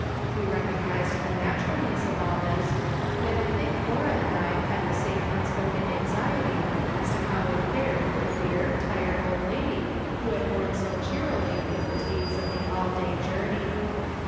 We recognised the naturalness of all this, yet I think Laura and I had the same unspoken anxiety as to how it fared with the dear, tired old lady who had borne so cheerily the fatigues of the all day journey.